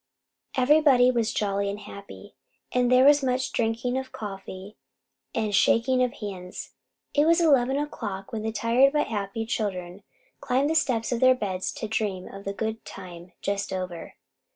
Everybody was jolly and happy, and there was much drinking of coffee and shaking of hands. It was eleven o'clock when the tired but happy children climbed the steps of their beds to dream of the good time just over.